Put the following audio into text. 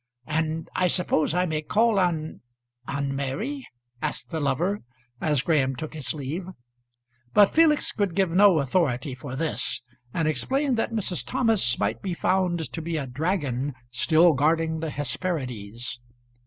"And I suppose I may call on on Mary?" asked the lover, as Graham took his leave. But Felix could give no authority for this, and explained that Mrs. Thomas might be found to be a dragon still guarding the Hesperides.